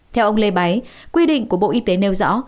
theo ông lê báy quy định của bộ y tế nêu rõ